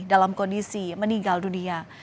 dalam kondisi meninggal dunia